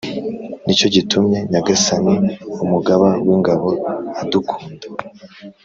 Ni cyo gitumye Nyagasani, Umugaba w’ingabo, adukunda